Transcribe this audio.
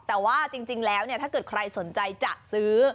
แต่ว่าจริงแล้วถ้าเกิดใครสนใจจะซื้อ